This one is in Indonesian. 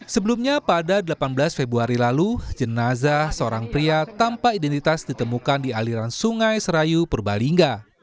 sebelumnya pada delapan belas februari lalu jenazah seorang pria tanpa identitas ditemukan di aliran sungai serayu purbalingga